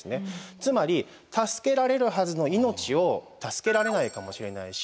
つまり助けられるはずの命を助けられないかもしれないし